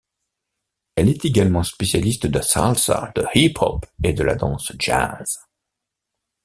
Elle est également spécialiste de salsa, du hip-hop et de la danse jazz.